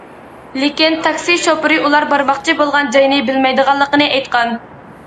لېكىن تاكسى شوپۇرى ئۇلار بارماقچى بولغان جاينى بىلمەيدىغانلىقىنى ئېيتقان.